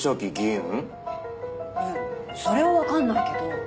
いやそれはわかんないけど。